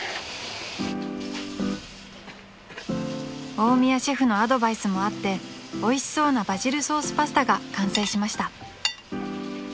［大宮シェフのアドバイスもあっておいしそうなバジルソースパスタが完成しました］